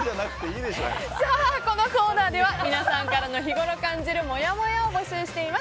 このコーナーでは皆さんからの日ごろ感じるもやもやを募集しています。